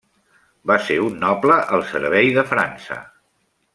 Va ser un noble al servei de França.